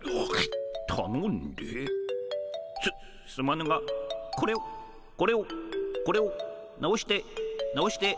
すすまぬがこれをこれをこれを直して直して。